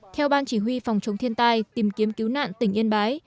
theo ban chỉ huy phòng chống thiên tai tìm kiếm cứu nạn tỉnh yên bái